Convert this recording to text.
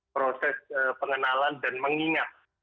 proses pengenalan dan mengingat